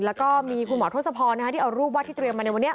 แล้วก็มีคุณหมอทศพรที่เอารูปว่าที่เตรียมมาในวันนี้